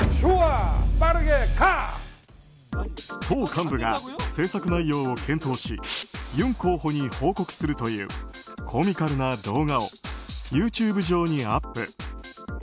党幹部が政策内容を検討しユン候補に報告するというコミカルな動画をＹｏｕＴｕｂｅ上にアップ。